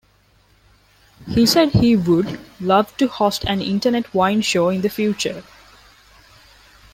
He said he would, love to host an internet wine show in the future.